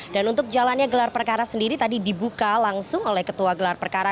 dan untuk jalannya gelar perkara sendiri tadi dibuka langsung oleh ketua gelar perkara